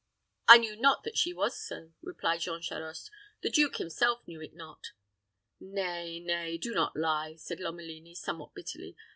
"I knew not that she was so," replied Jean Charost. "The duke himself knew it not." "Nay, nay, do not lie," said Lomelini, somewhat bitterly.